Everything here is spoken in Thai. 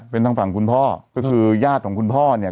เป็นทางฝั่งคุณพ่อก็คือญาติของคุณพ่อเนี่ย